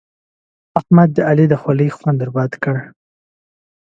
احمد د علي د خولې خوند ور بد کړ.